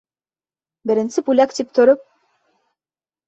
Беренсе бүләк тип тороп...